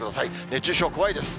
熱中症、怖いです。